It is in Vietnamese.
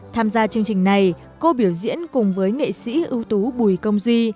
tham gia chương trình này cô biểu diễn cùng với nghệ sĩ ưu tú bùi công duy